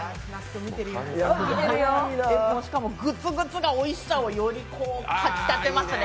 しかもグツグツがおいしさをよりかきたてますね。